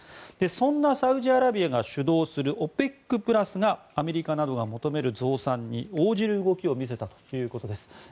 そんなサウジアラビアが主導するＯＰＥＣプラスがアメリカなどが求める増産に応じる動きを見せたということです。